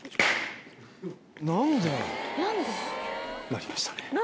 鳴りましたね。